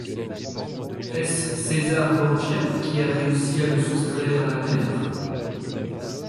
Est-ce César Borgia qui a réussi à le soustraire à la mère?